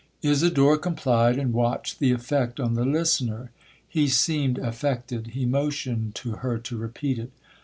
'Isidora complied, and watched the effect on the listener. He seemed affected—he motioned to her to repeat it.